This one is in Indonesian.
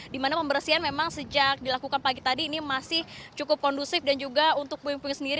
di mana pembersihan memang sejak dilakukan pagi tadi ini masih cukup kondusif dan juga untuk puing puing sendiri